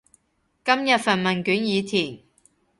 今日份問卷已填